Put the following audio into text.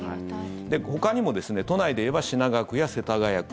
ほかにも、都内で言えば品川区や世田谷区